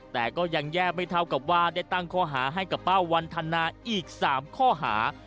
แต่ก็ยังแย่ไม่เท่ากับว่าได้ตั้งข้อหาให้กับป้าวันธนาอีก๓ข้อหา